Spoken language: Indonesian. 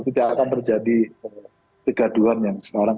tidak akan terjadi kegaduhan yang sekarang